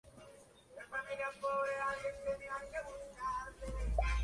Sector en desarrollo.